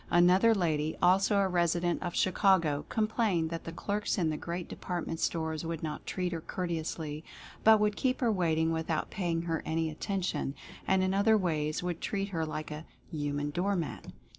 Another lady, also a resident of Chicago, complained that the clerks in the great department stores would not treat her courteously, but would keep her waiting without paying her any attention, and in other ways would treat her like a "human door mat."